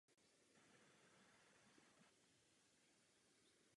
Prakticky obě komise pracují jako jeden celek řídící ozbrojené síly.